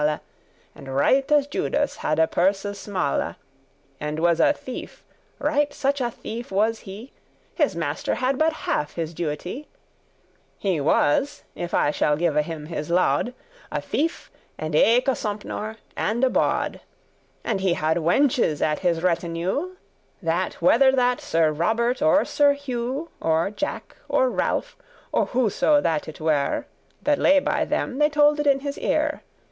* *alehouse And right as Judas hadde purses smale,* *small And was a thief, right such a thief was he, His master had but half *his duety.* *what was owing him* He was (if I shall give him his laud) A thief, and eke a Sompnour, and a bawd. And he had wenches at his retinue, That whether that Sir Robert or Sir Hugh, Or Jack, or Ralph, or whoso that it were That lay by them, they told it in his ear.